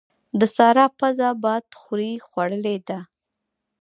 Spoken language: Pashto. د سارا پزه بادخورې خوړلې ده.